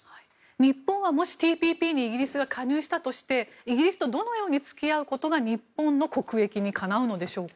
日本は、もしＴＰＰにイギリスが加入したとしてイギリスとどのように付き合うことが日本の国益にかなうのでしょうか。